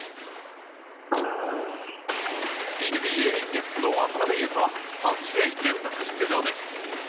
ＮＢＡ、ネッツの渡邊雄太は３試合連続出場です。